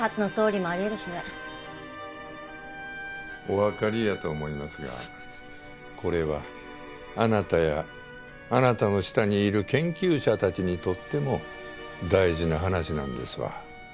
おわかりやと思いますがこれはあなたやあなたの下にいる研究者たちにとっても大事な話なんですわ。